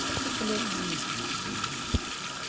Muqqel ayen i ak-d-izzin!